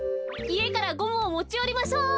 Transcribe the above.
いえからゴムをもちよりましょう。